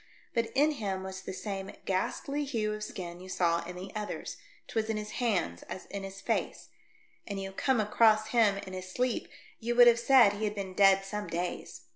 But in him was the same ghastly hue of skin you saw in the others ; 'twas in his hands as in his face ; had you come across him in his sleep you would have said he had been dead some days.